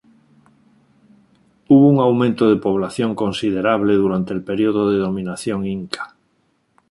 Hubo un aumento de población considerable durante el período de dominación Inca.